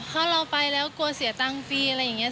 ถ้าเราไปแล้วกลัวเสียตังค์ฟรีอะไรอย่างนี้